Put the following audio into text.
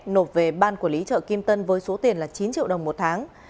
nộp về ban quản lý chợ kim tân với số tiền là chín triệu đồng một tháng